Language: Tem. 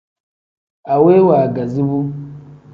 Aweyi waagazi bu.